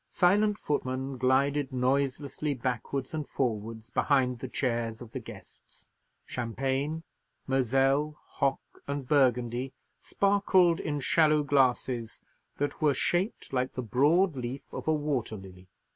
Silent footmen glided noiselessly backwards and forwards behind the chairs of the guests; champagne, Moselle, hock, and Burgundy sparkled in shallow glasses that were shaped like the broad leaf of a water lily.